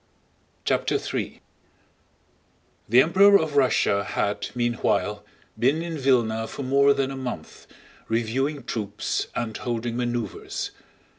CHAPTER III The Emperor of Russia had, meanwhile, been in Vílna for more than a month, reviewing troops and holding maneuvers.